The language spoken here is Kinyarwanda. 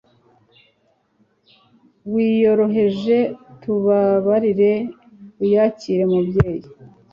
wiyoroheje tubabarire uyakire mubyeyi